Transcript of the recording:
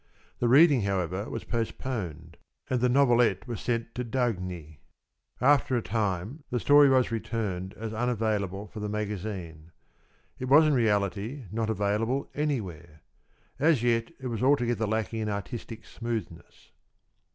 The reading, however, was postponed, and the novelette was sent to Dagny. After a time the story was returned as unavailable for the magazine. It was in reality not available anywhere. As yet it was altogether lacking in artistic smoothness.